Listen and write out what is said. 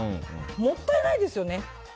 もったいないですよね。